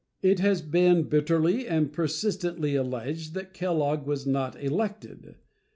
It has been bitterly and persistently alleged that Kellogg was not elected.